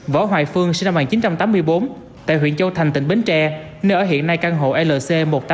võ hoài phương sinh năm một nghìn chín trăm tám mươi bốn tại huyện châu thành tỉnh bến tre nơi ở hiện nay căn hộ lc một nghìn tám trăm một mươi ba